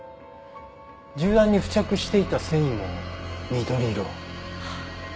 銃弾に付着していた繊維も緑色。